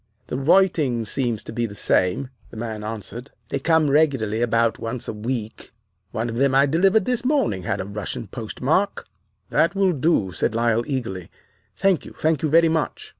"'The writing seems to be the same,' the man answered. 'They come regularly about once a week one of those I delivered this morning had a Russian postmark.' "'That will do,' said Lyle eagerly. 'Thank you, thank you very much.